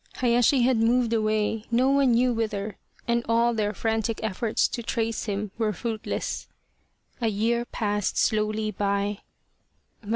Hayashi had moved away no one knew whither, and all their frantic efforts to trace him were fruitless. A year passed slowly by.